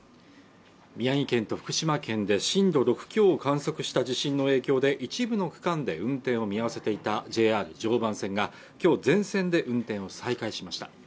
宮城県と福島県で震度６強を観測した地震の影響で一部の区間で運転を見合わせていたＪＲ常磐線がきょう全線で運転を再開しました